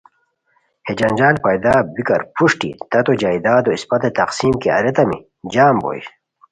ہے جنجال پیدا بیکار پروشٹی تتو جائدادو اسپتے تقسیم کی اریتامی جم بوئے